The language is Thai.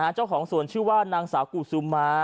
เจ้าของสวนชื่อว่านางสาวกูซูมา